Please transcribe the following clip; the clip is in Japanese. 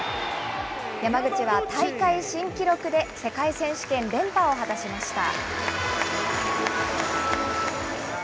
山口は、大会新記録で世界選手権連覇を果たしました。